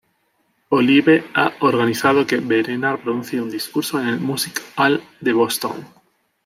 Olive ha organizado que Verena pronuncie un discurso en el Music Hall de Boston.